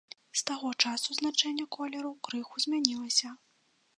З таго часу значэнне колераў крыху змянілася.